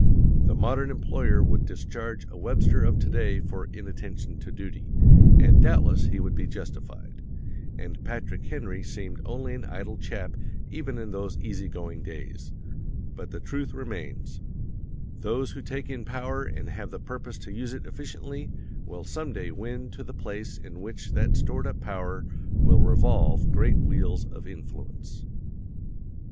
The modern employer would discharge a Webster of today for inattention to duty, and doubtless he would be justified, and Patrick Henry seemed only an idle chap even in those easy going days; but the truth remains: those who take in power and have the purpose to use it efficiently will some day win to the place in which that stored up power will revolve great wheels of influence.